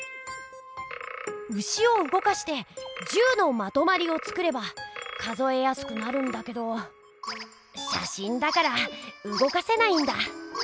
牛をうごかして１０のまとまりを作れば数えやすくなるんだけどしゃしんだからうごかせないんだ。